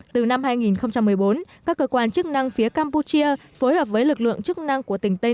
từ năm hai nghìn một mươi bốn các cơ quan chức năng phía campuchia phối hợp với lực lượng chức năng của tỉnh tây